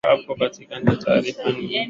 taarifa zilizo zidisha hofu kwa nchi hiyo